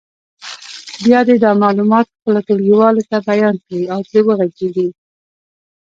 بیا دې دا معلومات خپلو ټولګیوالو ته بیان کړي او پرې وغږېږي.